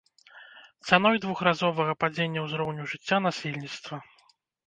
Цаной двухразовага падзення ўзроўню жыцця насельніцтва.